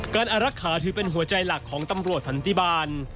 อารักษาถือเป็นหัวใจหลักของตำรวจสันติบาล